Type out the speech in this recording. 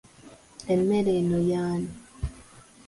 Emmere eno y'ani?